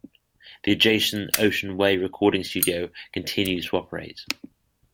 The adjacent Ocean Way Recording studio continues to operate.